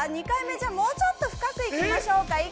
２回目じゃあ、もうちょっと深くいきましょうか。